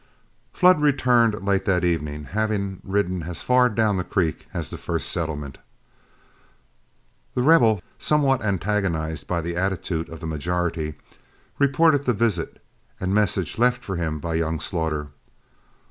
Flood returned late that evening, having ridden as far down the creek as the first settlement. The Rebel, somewhat antagonized by the attitude of the majority, reported the visit and message left for him by young Slaughter.